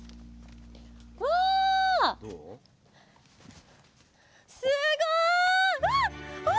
わすごい！